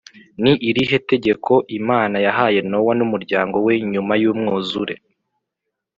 Ni irihe tegeko Imana yahaye Nowa n umuryango we nyuma y Umwuzure